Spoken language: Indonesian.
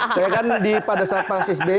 saya kan pada saat pak sby